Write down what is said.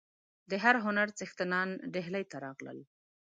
د هر هنر څښتنان ډهلي ته راغلل.